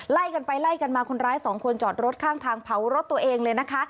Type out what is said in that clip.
ไล่กันไปไล่กันมาคนร้ายสองคนจอดรถข้างทางเผารถตัวเองเลยนะคะ